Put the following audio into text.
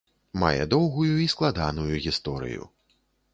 Мае доўгую і складаную гісторыю.